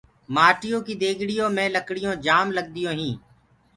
مآٽيو ڪيٚ ديگڙيو مي لڪڙيونٚ جآم لگديونٚ هينٚ۔